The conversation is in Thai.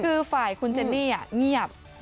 คือฝ่ายคุณเจนนี่เงียบ